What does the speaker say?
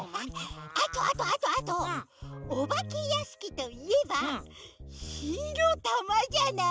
あとあとあとあとおばけやしきといえばひのたまじゃない？